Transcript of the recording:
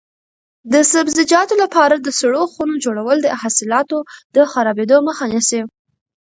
د سبزیجاتو لپاره د سړو خونو جوړول د حاصلاتو د خرابېدو مخه نیسي.